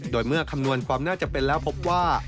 โดยเมื่อคำนวณความน่าจะเป็นแล้วพบว่า